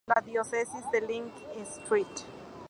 La diócesis de Linz y St.